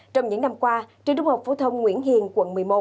trong những năm qua trường trung học phổ thông nguyễn hiền quận một mươi một